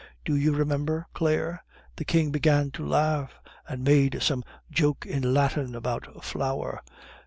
Do you remember, Claire? The King began to laugh, and made some joke in Latin about flour.